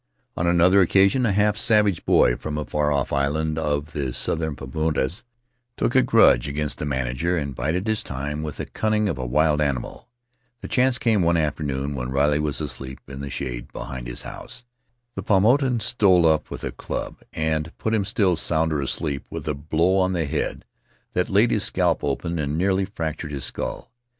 On another occasion, a half savage boy, from a far off island of the southern Paumotus, took a grudge against the manager and bided his time with the cunning of a wild animal. The chance came one afternoon when Riley was asleep in the shade behind his house. The Paumotan stole up with a club and put him still sounder asleep with a blow on the head that laid his scalp open and nearly fractured his skull.